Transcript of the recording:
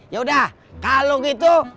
yaudah kalau gitu